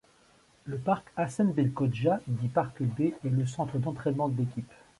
Le Parc Hassen Belkhodja, dit Parc B, est le centre d'entraînement de l'équipe.